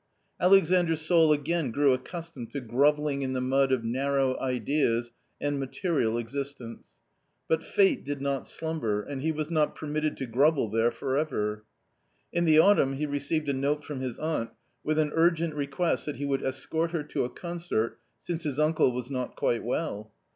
Alexandras soul again grew accustomed to grovelling in the mud of narrow ideas and material existence. But fate did not slumber, and he was not permitted to grovel there for ever. In the autumn he received a note from his aunt with an urgent request that he would escort her to a concert since his uncle was not quite well.